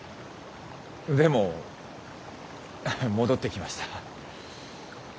でも戻ってきました。